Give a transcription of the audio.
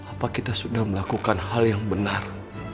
apa kita sudah melakukan hal yang benar